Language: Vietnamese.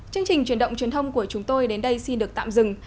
chương trình truyền động truyền thông của chúng tôi đến đây xin được tạm dừng